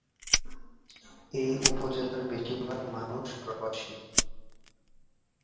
এই উপজেলার বেশীর ভাগ মানুষ প্রবাসী।